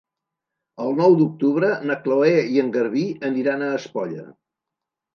El nou d'octubre na Cloè i en Garbí aniran a Espolla.